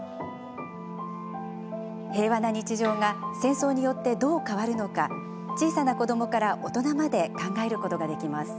平和な日常が戦争によってどう変わるのか小さな子どもから大人まで考えることができます。